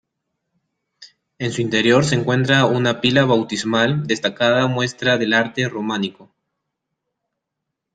En su interior se encuentra una pila bautismal, destacada muestra del arte románico.